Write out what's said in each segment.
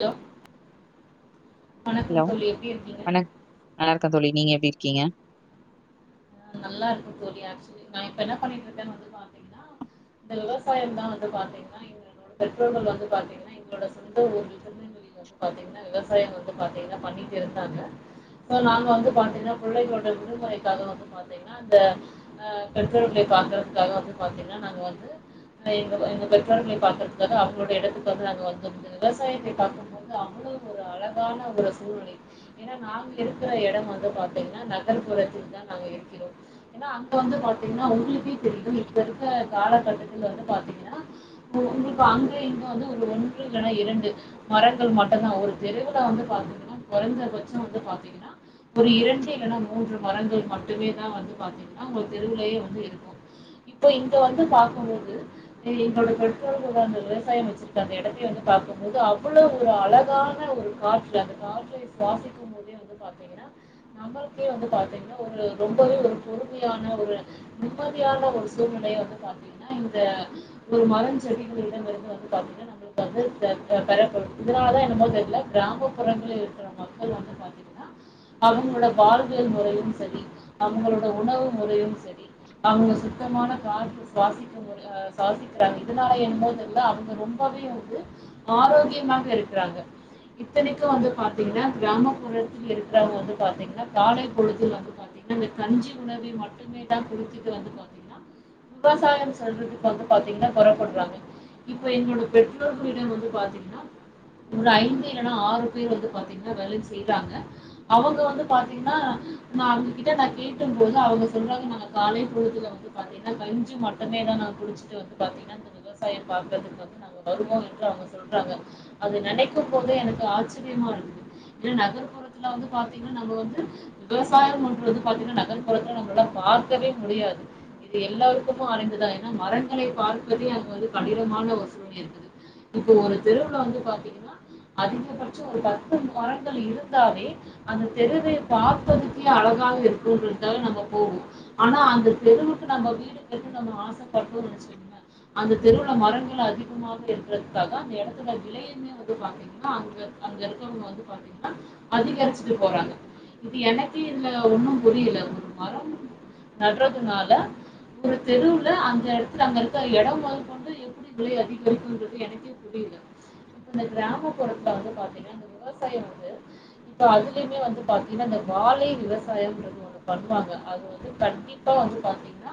hello hello வணக் நல்லாருக்க தோழி நீங்க எப்டி இருக்கீங்க ஆ நல்லா இருக்க தோழி ஆக்சுவலி நான் இப்ப என்ன பண்ணிட்டு இருக்கேன்னு வந்து பாத்தீங்கன்னா இந்த விவசாயம் தான் வந்து பாத்தீங்கன்னா இங்க பெற்றோர்கள் வந்து பாத்தீங்ன்னா இவங்களோட சொந்த ஊரு திருநெல்வேலி வந்து பாத்தீங்ன்னா விவசாயம் வந்து பாத்தீங்ன்னா பண்ணிட்டு இருந்தாங்க இப்ப நாங்க வந்து பாத்தீங்ன்னா புள்ளைகளோட விடுமுறைக்காக வந்து பாத்தீங்ன்னா அந்த அ பெற்றோர்கள பாக்குறதுக்காக வந்து பாத்தீங்ன்னா நாங்க வந்து ங்க எங்க எங்க பெற்றோர்களை பாக்கறதுக்காக அவுங்களோட எடத்துக்கு வந்து நாங்க வந்து விவசாயத்தை பாக்கும் போது அவுங்க ஒரு அழகான ஒரு சூழ்நிலை ஏன்னா நாங்க இருக்கிற எடம் வந்து பாத்தீங்ன்னா நகர்புறத்தில் தான் நாங்க இருக்கிறோம் ஏன்னா அங்க வந்து பாத்தீங்ன்னா உங்களுக்கே தெரியும் இப்ப இருக்க காலகட்டத்தில் வந்து பாத்தீங்ன்னா உங்களுக்கு அங்க இங்க வந்து ஒரு ஒன்று இல்லனா இரண்டு மரங்கள் மட்டுதா ஒரு தெருவுல வந்து பாத்திங்ன்னா கொறஞ்ச பச்சம் வந்து பாத்தீங்ன்னா ஒரு இரண்டு இல்லனா மூன்று மரங்கள் மட்டு மட்டுமே தான் வந்து பாத்தீங்ன்னா உங்க தெருவுலயே வந்து இருக்கூ இப்போ இங்க வந்து பாக்கும்போது எங்களோட பெற்றோர்கள் அந்த விவசாயம் வச்சிருக்க அந்த எடத்த வந்து பாக்கும்போது அவ்வளவு ஒரு அழகான ஒரு காற்று அந்த காற்றை சுவாசிக்கும் போதே வந்து பாத்தீங்கன்னா நம்மளுக்கே வந்து பாத்தீங்ன்னா ஒரு ரொம்பவே ஒரு பொறுமையான ஒரு நிம்மதியான ஒரு சூழ்நிலையை வந்து பாத்தீங்ன்னா இந்த ஒரு மரம் செடிகளிடம் இருந்து வந்து பாத்தீங்ன்னா நம்மளுக்கு வந்து பெறப்ப இதனால தான் என்னமோ தெர்ல கிராமப்புறங்கள இருக்கிற மக்கள் வந்து பாத்தீங்கன்னா அவுங்களோட வாழ்வியல் முறையும் சரி அவுங்களோட உணவு முறையும் சரி அவுங்க சுத்தமான காற்று சுவாசிக்க சுவாசிக்கிறாங்க இதனால என்னமோ தெர்ல அவுங்க ரொம்ப [unintelligible] வந்து ஆரோக்கியமாக இருக்கிறாங்க இத்தனைக்கு வந்து பாத்தீங்ன்னா கிராமப்புறத்தில் இருக்கிறவங்க வந்து பாத்தீங்ன்னா காலை பொழுதுல வந்து பாத்தீங் இந்த கஞ்சி உணவை மட்டுமே தான் குடுச்சிட்டு வந்து பாத்தீங்ன்னா விவசாயம் சொல்றதுக்கு வந்து பாத்தீங்ன்னா குறப்படுறாங்க இப்ப என்னோட பெற்றோர்களிடம் வந்து பாத்தீங்ன்னா ஒரு ஐந்து இல்லன்னா ஆறு பேர் வந்து பாத்தீங்ன்னா வேல செய்றாங்க அவங்க வந்து பாத்தீங்ன்னா [unintelligible] நா கேட்டும்போது அவுங்க சொல்றங்க நாங்க காலை பொழுதுல வந்து பாத்தீங்ன்னா கஞ்சு மட்டுமேதான் நா குடிச்சிட்டு பாத்தீங்ன்னா இந்த விவசாயம் பாக்குறதுக்கு வந்து நாங்க வருவோ என்று அவுங்க சொல்றாங்க அது நெனைக்கும் போதே எனக்கு ஆச்சிரியமா இருக்கு ஏன்ன நகர்ப்புறத்துல வந்து பாத்தீங்ன்னா நம்ப வந்து விவசாயம் பண்றதுக்கு பாத்தீங்ன்னா நகர்புறத்துல நம்மளாள பார்கவே முடியாது இது எல்லாருக்கும் அறிந்ததா ஏன்னா மரங்களை பார்ப்பதே அங்க வந்து கடினமான ஒரு சூலல் இருக்குது இப்போ ஒரு தெருவுல வந்து பாத்தீங்கன்னா அதிகபட்சம் ஒரு பத்து மரங்கள் இருந்தாலே அந்த தெருவே பார்பதுக்கே அழ அழகாக இருக்கும் [unintelligible] நம்ம போவோம் ஆனா அந்த தெருவுக்கு நம்ப வீடு கட்ட நம்ம ஆசைப்பட்டோ வச்சுக்கோங்கள அந்த தெருவுல மரங்கள் அதிகமாக இருக்குறதுக்காக அந்த எடத்துல விலையுமே வந்து பாத்தீங்க அங்க அங்க இருக்கிறவுங்க வந்து பாத்தீங்கன்னா அதிகரிச்சுட்டு போறாங்க இது எனக்கு இல்ல ஒன்னும் புரியில ஒரு மரம் நடுறதுனால ஒரு தெருவுல அந்த எடத்துல அங்க இருக்குற எடம் [unintelligible] விலை அதிகரிக்கும் என்பது எனக்கே புரியல இந்த கிராமப்புறத்துல வந்து பாத்தீங்கன்னா இந்த விவசாயம் வந்து இப்ப அதுலயுமே வந்து பாத்தீங்ன்னா இந்த வாழை விவசாயம்ன்றது ஒன்னு பண்ணுவாங்க அது வந்து கண்டிப்பா வந்து பாத்தீங்ன்னா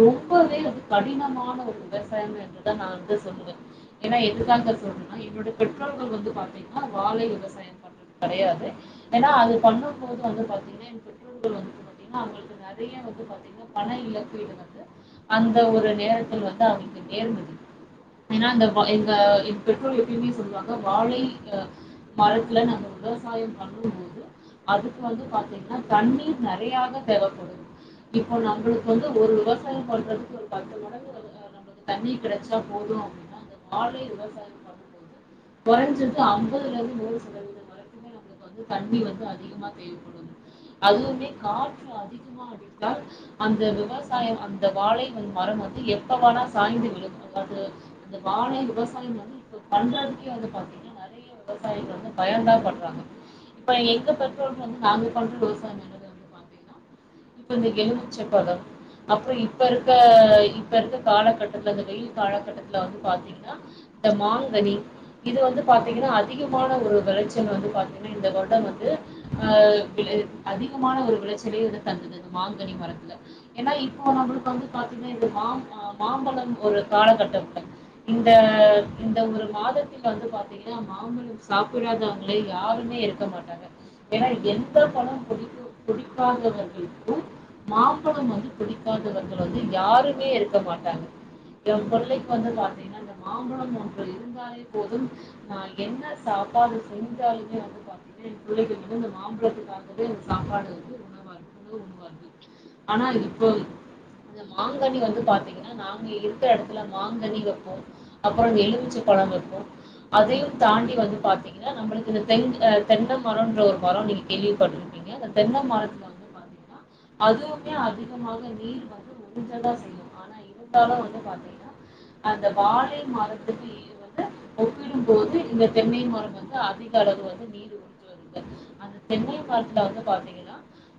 ரொம்பவே வந்து கடினமான ஒரு விவசாயம் என்றுதான் நான் வந்து சொல்லுவேன் ஏனா எதிர் காலத்துல சொல்ற என்னுடைய பெற்றோர்கள் வந்து பாத்தீங்னா வாழை விவசாயம் அப்டி கெடையாது ஏன்னா அது பண்ணும்போது வந்து பாத்தீங்ன்னா பெட்ரோல் [inaudible] அவுங்குள்க்கு நறைய வந்து பாத்தீங்ன்னா பண இலப்பீடு வந்து அந்த ஒரு நேரத்தில் வந்து அவிக்க ஏறுமதி ஏனா அந்த ப எங்க இப்பெற்றோல் எப்யுமே சொல்வாங்க வாழை அ மரத்ல நாங்க விவசாய பண்ணுபோது அதுக்கு வந்து பாத்தீங்னா தண்ணீ நறயாக தேவப்படு இப்போ நம்புளுக் வந்து ஒரு விவசாய பன்றதுக்கு ஒரு பத்து மடங்கு நமக்கு தண்ணி கிடச்சா போது அப்டினா அந்த வாழை விவசாய பண்ணு போது கொறஞ்சது ஐம்பதுலேந்து மூணு சதவீதம் வரக்கிமே நம்ளுக்கு வந்து கண்ணி வந்து அதிகமா தேவைப்படு அதுவுமே காற்று அதிகமா அடித்தால் அந்த விவசாயம் அந்த வாழைவன் மரம் வந்து எப்பவா சாய்ந்து விழுந்து அதாது இந்த வாழை விவசாயம் வந்து இப்ப பண்றதுக்கே வந்து பாத்தீங்னா நற தீய விவசாயிக வந்து பயம்ந்தா பட்றாங்க இப்ப எங்க பெற்றோர்க் வந்து நாங்க கொண்டு டோசா [unintelligible] வந்து பாத்தீங்னா இப்பந்த எலுமிச்சமப்பழ அப்ற இப்ப இருக்க இப்ப இருக்க காலக்கட்டத்ல அந்த வெயில் காலக்கட்டத்ல வந்து பாத்தீங்னா ட மாங்கனி இது வந்து பாத்தீங்கனா அதிகமான ஒரு வெளச்சல் வந்து பாத்தீங்னா இந்த கொட வந்து அ விலை அதிகமான ஒரு விளச்சலயு தந்துது மாங்கனி மரத்துல ஏனா இப்போ ‌ நம்புளுக்கு வந்து பாத்தீங்னா இது மாம் அ மா [unintelligible] ஒரு கால கட்டப்ல இந்த ஒரு மாதத்தில் வந்து பாத்தீங்னா மாம்பழம் சாப்பிடாதவங்லே யாரு நே இருக்க மாட்டாங்க ஏனா எந்த பழம் புடிக்கு புடிக்கோங்கற்து அப்டிர்க்கு மாம்பழம் வந்து புடிக்காதவர்கள் வந்து யாருமே இருக்க மாட்டாங்க ஏ கொள்ளைக் வந்து பாத்தீங்னா மாம்பழன் ஒன்று இருந்தாலே போதும் நா என்ன சாப்பாடு செஞ்சாலுமே வந்து பா ஏ புள்ளைக இனுமே இந்த மாம்பழத்துக்காகவே இந்த சாப்பாடு [inaudible] ஆனா இப்போய் இந்த மாங்கனி வந்து பாத்தீங்னா நாங்க இருக்க எடத்துல மாங்கனி வெப்போ அப்பறோ எலுமிச்சை பழ தம் இர்க்கு அதையும் தாண்டி வந்து பாத்தீங்னா நம்புளுக்கு இந்த தெங்கு அ தெங்ன மரொன்ற ஒரு மரொ நீங்க கேள்விப்பட்டிருப்பீங்க தஸ் தென்ன மரத்ல வந்து பாத்தீங்க அதுவுமே அதிகமாக நீர் வந்து உரிஞ்ச தா செய்யு ஆனா இருந்தாலு வந்து பாத்தீங்னா அந்த வாழை மரத்துக்கு ஈது வந்து திடும் போது இந்த தென்னை மரம் வந்து அதிக அளவு வந்து நீர் உரிஞ்சு வந்து அந்த தென்னை மரத்ல வந்து பாத்தீங்கனா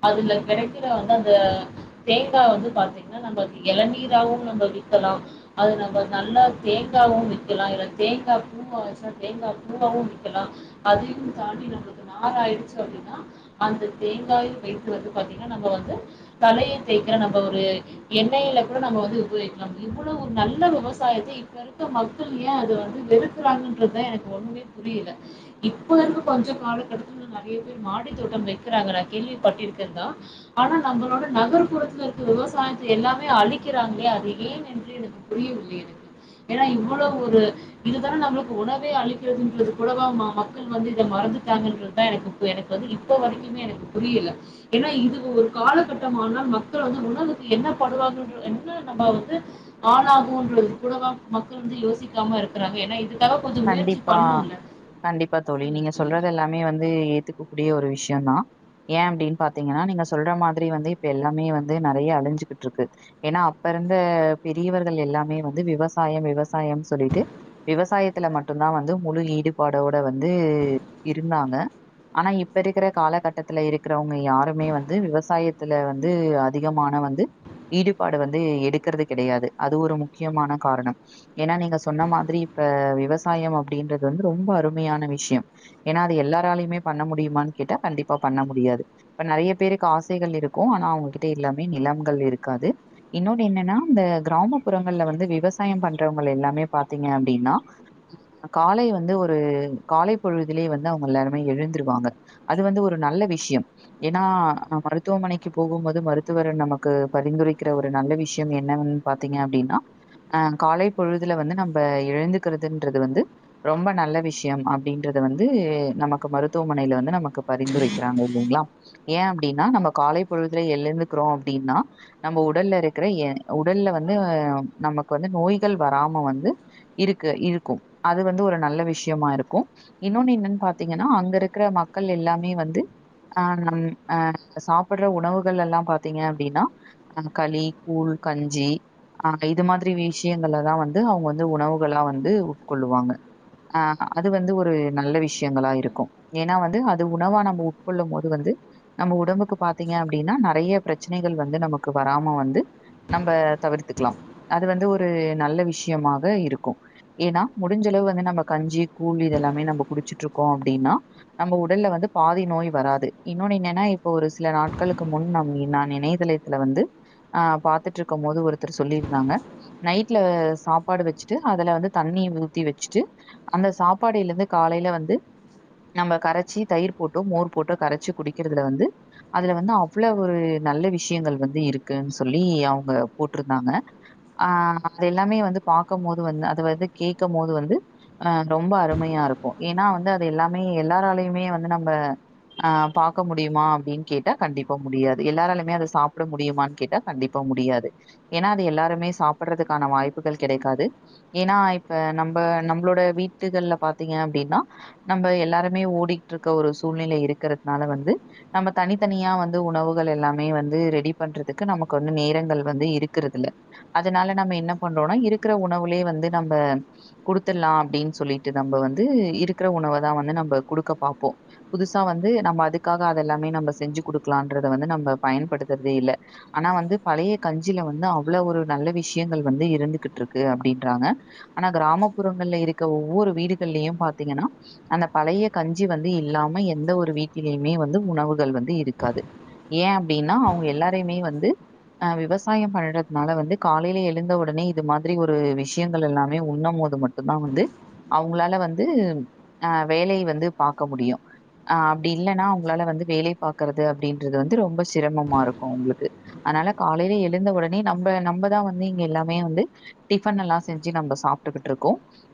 அதுல கெடக்கிற வந்து அந்த தேங்கா வந்து பாத்தீங்னா நம்பள்க்கு எளநீராவு நம்ப வீட்ல அது நம்ம நல்லா தேங்காவு விக்கலா இல்ல தேங்கா பூ ஆச்சுனா தேங்கா பூ வா பூ விக்கலா அதியும் தாண்டி நமக்கு நாற் ஆயிர்ச்சு அப்டினா அந்து தேங்காயு வைத்து வந்து பாத்தீங்னா நம்ப வந்து தலய தேக்கிற நம்ப ஒரு எண்ணயில கூட நம வந்து உபோயிக்கலா இவ்வுளோ ஒரு நல்ல விவசாயத்து இப்ப இருக்க மக்கள் ஏன் அது வந்து வெறுக்குறாங்கன்றுத எனக் ஒன்னுமே புரியில இப்போ இருக்கு கொஞ்ச காலக்கட்டத்தில் நறய பேர் மாடி தோட்டம் வெக் [unintelligible] கேள்விப்பட்டிர்க்கற்தா ஆனா நம்பளோட நகர்ப்புறத்ல இருக்கு விவசாயத்த எல்லாமே அழிக் கிறாங்ளே அது ஏன் என்று எனக்கு புரியவில்லை எனக்கு ஏனா இவுளோ ஒரு இதுதா நம்ளுக்கு உணவே அளிக்கிறதின்றதுலவா ம மக்கள் வந்து இத ம வந்துட்டாங்கன்றதுதா எனக்குப்பு எனக் வந்து இப்ப வரை பிமே எனக்கு புரியில்ல ஏன்னா இதுவு ஒரு காலகட்டமானால் மக்கள் வந்து உணவுக்கு என்ன படுவாங்கன்ற என்ன நம்ம வந்து ஆளாகுன்றதுகூடவா மக்கள் வந்து யோசிக்காம இருக்கிறாங்க என்ன இது கண்டிப்பா கண்டிப்பா தோழி நீங்க சொல்றது எல்லாமே வந்து ஏத்துக்க கூடிய ஒரு ஷ்யோந்தா ஏன் அப்டின் பாத்தீங்கனா நீங்க சொல்ற மாதுரி வந்து இப்ப எல்லாமே வந்து நறய அலுஞ்சுகிட்ருக்கு ஏனா அப்ப பிறந்த பெரியவர்கள் எல்லாமே வந்து விவசாயம் விவசாயம்னு சொல்லிட்டு விவசாயத் த்துல மட்டுதான் வந்து முழு ஈடுபாடோட வந்து இருந்தாங்க ஆனா இப்ப இருக்கிற காலகட்டத்துல இருக்கிறவங்க யாருமே வந்து விவசாயத்துல வந்து அதிகமான வந்து ஈடுபாடு வந்து எடுக்கிறது கெடையாது அது ஒரு முக்கியமான காரணம் ஏன்னா நீங்க சொன்ன மாதிரி இப்ப விவசாயம் அப்டின்றது வந்து ரொம்ப அருமையான விஷயம் ஏன்னா அது எல்லாராலயுமே பண்ண முடியுமான் கேட்டா கண்டிப் ப்பா பண்ண முடியாது இப்ப நறைய பேருக்கு ஆசைகள் இருக்கூ ஆனா அவுங்ககிட்ட எல்லாமே நிலங்கள் இருக்காது இன்னொன்னு என்னன்னா இந்த கிராமப்புறங்கள்ள வந்து விவசாயம் பண்றவங்க எல்லாமே பாத்தீங்க அப்டின்னா அ காலை வந்து ஒரு காலை பொழுதிலே வந்து அவுங்க எல்லாருமே எழுந்திருவாங்க அது வந்து ஒரு நல்ல விஷயம் ஏன்னா மருத்துவமனைக்கி போகும்போது மருத்துவரு நமக்கு பரிந்துரைக்கிற ஒரு நல்ல நல்ல விஷயம் என்னனு பாத்தீங்க அப்டின்னா அ காலை பொழுதுல வந்து நம்ம எழுந்துக்கற துன்றது வந்து ரொம்ப நல்ல விஷயம் அப்டின்றது வந்து நமக்கு மருத்துவமனைல வந்து நமக்கு பரிந்துரை பரிந்துரைக்கிறாங்க இல்லிங்ளா ஏன் அப்டின்னா நம்ம காலை பொழுதுல எழுந்துக்றோ அப்டின்னா நம்ம உடல் ல இருக்கிற உடல்ல வந்து நமக்கு வந்து நோய்கள் வராம வந்து இருக் க்கு இருக்கும் அது வந்து ஒரு நல்ல விஷயமா இருக்கும் இன்னொன்னு என்னன்னு பாத்தீங்கன்னா அங்க இருக்கிற மக்கள் எல்லாமே வந்து அ நம் அ சாப்பிடுற உணவுகள் எல்லாம் பாத்தீங்க அப்டின்னா களி கூழ் கஞ்சி ஆ இது மாதிரி விஷயங்கல்ல தான் வந்து அவுங்க வந்து உணவு லா வந்து உட்கொள்ளுவாங்க ஆ அது வந்து ஒரு நல்ல விஷயங்களா இருக்கூ ஏன்னா வந்து அது உணவா நம்ப உட்கொள்ளும் போது வந்து நம்ப உடம்புக்கு பாத்தீங்க அப்டின்னா நறைய பிரச்சனைகள் வந்து நமக்கு வராம வந்து நம்ப தவிர்த்துக்லாம் அது வந்து ஒரு நல்ல விஷயமாக இருக் கூ ஏன்னா முடிஞ்சளவு வந்து நம்ம கஞ்சி கூழ் இதெல்லாமே நம்ப குடிச்சிட்ருக்கோ அப்டின்னா நம் உடல்ல வந்து பாதி நோய் வராது இன்னொன்னு என்னன்னா இப்போ ஒரு சில நாட்களுக்கு முன் நா நான் இணையதளத்தில் வந்து வந்து அ பாத்துட்ருக்கம் போது ஒருத்தர் சொல்லிருந்தாங்க நைட்ல சாப்பாடு வச் ட்டு அதுல வந்து தண்ணி ஊத்தி வச்சுட்டு அந்த சாப்பாடையில இருந்து காலையில வந்து நம்ப கரச்சி தயிர் போட்டோ மோர் போட்டோ கரச்சி குடிக்கிறதுல வந்து அதுல வந்து அவ்வளவு நல்ல விஷயங்கள் வந்து இருக்குன் சொல்லி அவுங்க போட்ருந்தாங்க ஆ அத எல்லாமே வந்து பா பாக்கம் போது வந்து அதாவது கேக்கம் போது வந்து அ ரொம்ப அருமையா இருக்கூ ஏன்னா வந்து அது எல்லாமே எல்லாராலையுமே வந்து நம்ப ஆ பாக்க முடியுமா அப்டின் கேட்டா கண்டிப்பா முடியாது எல்லாராலமே அத சாப்ட முடியுமான் கேட்டா கண்டிப்பா முடியாது ஏன்னா அது எல்லாருமே சாப்பிடறதுக்கான வாய்ப்புகள் கெடைக் காது ஏன்னா இப்ப நம்ப நம்பளோட வீட்டுகள்ல பாத்தீங்க அப்டின்னா நம்ப எல்லா மே ஓடிட்ருக்க ஒரு சூழ்நிலை இருக்கறதுனால வந்து நம்ம தனித்தனியா வந்து உணவுகள் எல்லாமே வந்து வந்து ரெடி பண்றதுக்கு நமக்கு வந்து நேரங்கள் வந்து இருக்கிறது இல்ல அதனால நம்ம என்ன பண்றோனா இருக்கிற உணவுலே வந்து நம்ப குடுத்துட்லா அப்டின் சொல்லிட்டு நம்ப வந்து இருக்கிற உணவ தான் வந்து நம் நம்ப குடுக்க பாப்போ புதுசா வந்து நம்ம அதுக்காக அதெல்லாமே நம்ப செஞ்சு குடுக்லான்றத வந்து நம்ப பயன் பயன்படுத்தறதே இல்ல ஆனா வந்து பழைய கஞ்சில வந்து அவ்வள ஒரு நல்ல விஷயங்கள் வந்து இருந்துகிட் ருக்கு அப்டின்றாங்க ஆனா கிராமப்புறங்கள்ல இருக்க ஒவ்வொரு வீடுகள்லயும் பாத்தீங்கன்னா அந்த பழைய கஞ்சி வந்து இல்லாம எந்த ஒரு வீட்டிலயுமே வந்து உணவுகள் வந்து இருக்காது ஏ அப்டின்னா அவுங்க எல்லாரையுமே வந்து ஆ விவசாயம் பண்றதுனால வந்து காலையில எழுந்த உடனே இது மாதிரி ஒரு விஷயங்கள் எல்லாமே உண்ணும் போது மட்டுந்தா வந்து அவுங்களால வந்து அ வேலை வந்து பாக்க முடியு அ அப்டி இல்லன்னா அவுங்ளால வந்து வேலை பாக்குறது அப்டின்றது வந்து ரொம்ப சிரமமா இருக்கூ உங்ளுக்கு அதனால காலைல எழுந்த ஒடனே நம்ப நம்பதான் வந்து இங்க எல்லாமே வந்து டிஃபன் எல்லா செஞ்சு நம்ப சாப்ட்டுக்கிட்ருக்கோ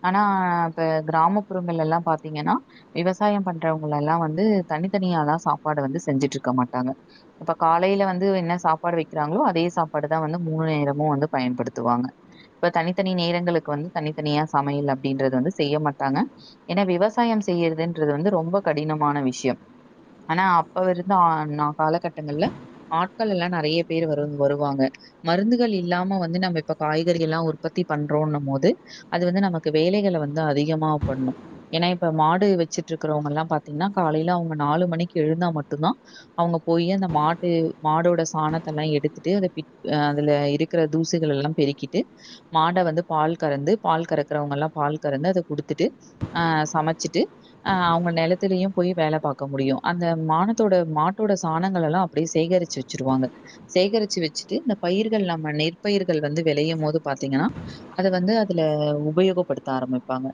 ஆனா இப்ப கிராமப்புறங்கள்ல எல்லாம் பாத்தீங்க ஏன்னா விவசாயம் பண்றவுங்களல்லா வந்து தனித்தனியாலா சாப்பாடு வந்து செஞ்சுட்ருக்க மாட்டாங்க இப்ப காலையில வந்து என்ன சாப்பாடு வைக்கிறாங்களோ அதே சாப்பாடு தான் வந்து மூணு நேரமு வந்து பயன்படுத்துவாங்க ப்ப தனித்தனி நேரங்களுக்கு வந்து தனித்தனியா சமையல் அப்டின்றது வந்து செய்ய மாட்டாங்க ஏன்னா விவசா சாயம் செய்யறதுன்றது வந்து ரொம்ப கடினமான விஷ்யம் ஆனா அப்ப விருந்த அ நா காலகட்டங்கள்ல ஆட்கள் எல்லா நறைய பேரு வரு வருவாங்க மருந்துகள் இல்லாம வந்து நம்ம இப்ப காய்கறிகல்லா உற்பத்தி பண்றோன்னுமோது அது வந்து நமக்கு வேலைகள வந்து அதிகமா பண்ணு எ னா இப்ப மாடு வெச்சிட்ருக்குறவங்கல்லா பாத்தீங்ன்னா காலைல அவுங்க நாலு மணிக்கு எழுந்தா மட்டுந்தா அவுங்க போய் யி அந்த மாட்டு மாடோட சாணத்தல்லா எடுத்துட்டு அத பி அ அதுல இருக்குற தூசிகள்ல்லா பெருக் கீட்டு மாட வந்து பால் கறந்து பால் கறக்கறவங்கல்லா பால் கறந்து அத குடுத்துட்டு அ ச சமச்சிட்டு அ அவுங்க நெலத்திலயு போய் வேல பாக்க முடியு அந்த மானத்தோட மாட்டோட சாணங்க லல்லா அப்டியே சேகரிச்சு வெச்சிருவாங்க சேகரிச்சு வெச்சுட்டு இந்த பயிர்கள் நம்ம நெற்பயிர்கள் வந்து வெளையுமோது பாத்தீங்கன்னா அத வந்து அதுல உபயோகப்படுத்த ஆரம்பிப்பாங்க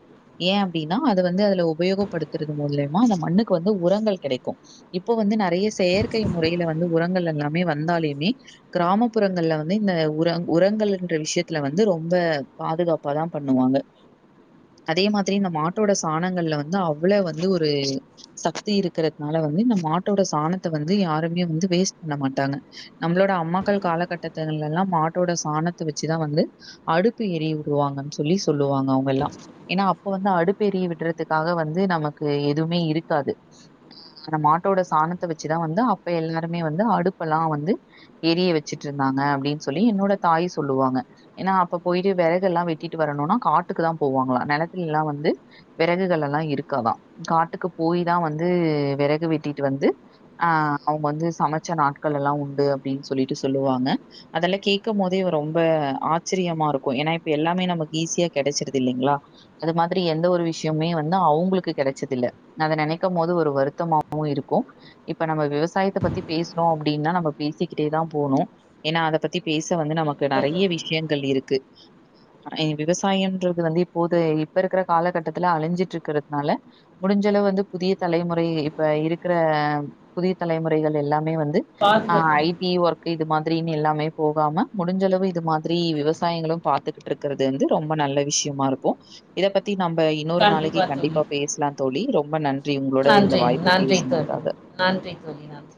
ஏன் அப்டின்னா அது வந்து அதுல உபயோகப்படுத்துறது மூலயமா அந்த மண்ணுக்கு வந்து உரங்கள் கெடைக்கு இப்போ வந் ந்து நறைய செயற்கை முறைல வந்து உரங்கள் எல்லாமே வந்தால்யுமே க்ராமப்புறங்கள்ல வந்து இந்த உ உர உரங்கள்லுன்ற விஷ்யத்துல வந்து ரொம்ப பாதுகாப்பாதா பண்ணுவாங்க அதே மாதிரி இந்த மாட்டோட சாணங்கள்ல வந்து அவ்ள வந்து ஒரு சக்தி இருக்குறத்னால வந்து இந்த மாட்டோட சாணத்த வந்து யாருமே வந்து வேஸ்ட் பண்ண மாட்டாங்க நம்ளோட அம்மாக்கள் காலகட்டத்த லல்லா மாட்டோட சாணத் த்த வெச்சுதா வந்து அடுப்பு எறிய உடுவாங்கன் சொல்லி சொல்லுவாங்க அவுங்கெல்லா ஏன்னா அப்போ வந்து அடுப்பெறி ய விடுறதுக்காக வந்து நமக்கு எதுமே இருக்காது ஆஹ் அந்த மாட்டோட சாணத்த வெச்சுதா வந்து து அப்ப எல்லாருமே வந்து அடுப்பல்லா வந்து எரிய வெச்சிட்ருந்தாங்க அப்டின் சொல்லி என்னோட தாய் சொல்லுவாங்க ஏன்னா அப்ப போய்ட்டு வெறகெல்லா வெட்டிட்டு வரணுனா காட்டுக்கு தா போவாங்களா நெலத்துலெல்லா வந்து விறகுகள் எல்லா இருக்காதா காட்டுக்கு போயி தா வந்து வெறகு வெட்டிட்டு வந்து அஹ் அவுங்க வந்து சமச்ச நாட்கள் எல்லா உண்டு அப்டின் சொல்லிட்டு சொல்லுவாங்க அதெல்ல கேட்க்கமோதே ரொம் ப ஆச்சிரியமா இருக்கு ஏன்னா இப்ப எல்லாமே நமக்கு ஈஸியா கெடச்சிருது இல்லைங்களா அது மாதிரி எந்த ஒரு விஷ் விஷ்யமே வந்து அவுங்களுக்கு கெடச்சதில்ல நாங்க நெனைக்குமோது ஒரு வருத்தமாவு இருக்கு இப்ப நம்ம விவசாயத்த பத்தி பேஸ்ணோ அப்டின்னா நம்ம பேசிக்கிட்டே தா போனு ஏன்னா அத பத்தி பேச வந்து ந இப்ப நறைய விஷயங்கள் இருக்கு உ [unintelligible] ஐ விவசாயன்றது வந்து இப்போது இப்ப இருக்குற காலகட்டத்துல அழிஞ்சிட்ருக்குறதுனால முடிஞ்ச ல வந்து புதிய தலைமுறை இப்ப இருக்குற புதிய தலைமுறைகள் எல்லாம் மே வந்து ஆஹ் ஐ பாதுகாக்கணும் டி ஒர்க்கு இது மாதிரினு எல்லாமே போகாம முடிஞ்சளவு இது மாதிரி விவசாயங்களு பாத்துகுட்ருக்கறது வந்து ரொம்ப நல்ல விஷ்யமா இருக்கு இத பத்தி நம்ப இன்னொரு நாளைக்கு கண்டிப்பா பேசலா தோழி ரொம்ப நன் றி உங்களோட இந்த நன்றி வாய்ப்பு நன்றி தோழி பேசுனதுக்காக நன்றி தோழி நன்றி